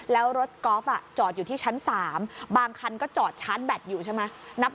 แล้วรถกอล์ฟจอดอยู่ที่ชั้น๓บางคันก็จอดชาร์จแบตอยู่ใช่ไหม